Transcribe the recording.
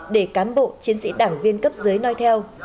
để cám bộ chiến sĩ đảng viên cấp giới nói theo